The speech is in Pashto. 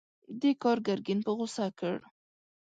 دې کار ګرګين په غوسه کړ.